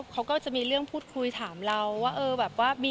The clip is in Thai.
เขาก็จะมีเรื่องพูดคุยถามเราว่าเออแบบว่า